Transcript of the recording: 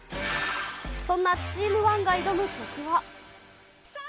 そんなチーム１が挑む曲は？